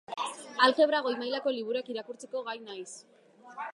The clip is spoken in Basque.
Aljebra goi-mailako liburuak irakurtzeko gai naiz.